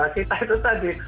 kita itu tadi